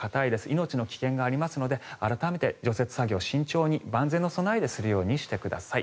命の危険がありますので改めて除雪作業を慎重に万全の備えでするようにしてください。